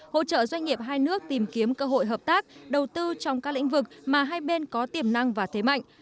hỗ trợ doanh nghiệp hai nước tìm kiếm cơ hội hợp tác đầu tư trong các lĩnh vực mà hai bên có tiềm năng và thế mạnh